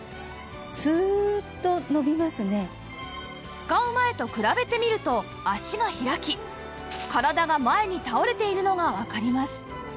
使う前と比べてみると足が開き体が前に倒れているのがわかります